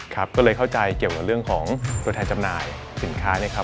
ก็เลยเข้าใจเกี่ยวกับเรื่องของตัวแทนจำหน่ายสินค้า